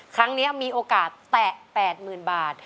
ครั้งนี้มีโอกาสแตะแปดหมื่นบาท